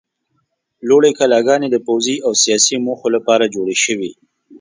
لوړې کلاګانې د پوځي او سیاسي موخو لپاره جوړې شوې.